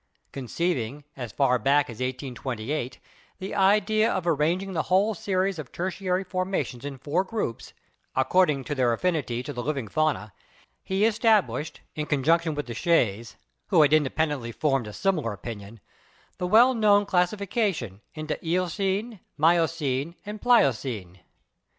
Conceiving, as far back as 1828, the idea of arranging the whole series of Tertiary formations in four groups, ac cording to their affinity to the living fauna, he established, in conjunction with Deshayes, who had independently formed a similar opinion, the well known classification into Eocene, Miocene and Pliocene.